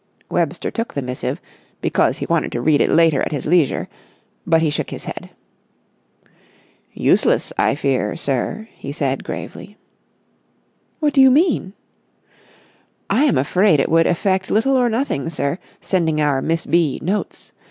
Webster took the missive, because he wanted to read it later at his leisure; but he shook his head. "Useless, I fear, sir," he said gravely. "What do you mean?" "I am afraid it would effect little or nothing, sir, sending our Miss B. notes.